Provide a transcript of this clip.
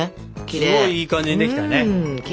すごいいい感じにできたね。